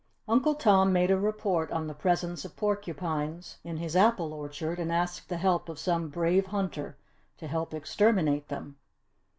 Uncle Tom made a report on the presence of porcupines in his apple orchard and asked the help of some brave hunter to help exterminate them.